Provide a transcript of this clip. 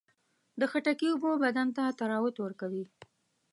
د خټکي اوبه بدن ته طراوت ورکوي.